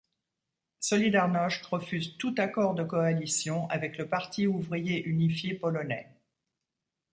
Solidarność refuse tout accord de coalition avec le Parti ouvrier unifié polonais.